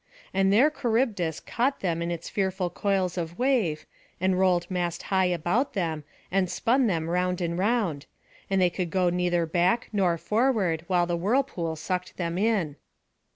And there Charybdis caught them in its fearful coils of wave, and rolled mast high about them, and spun them round and round; and they could go neither back nor forward, while the whirlpool sucked them in.